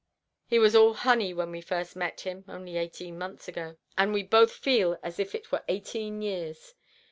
He was all honey when first we met him, only eighteen months ago, and we both feel as if it were eighteen years.